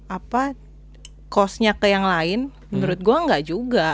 apa costnya ke yang lain menurut gue gak juga